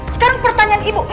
sekarang pertanyaan ibu